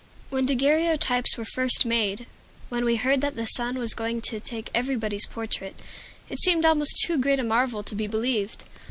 When daguerreotypes were first made, when we heard that the sun was going to take everybody's portrait, it seemed almost too great a marvel to be believed.